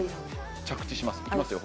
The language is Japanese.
着地しますいきますよ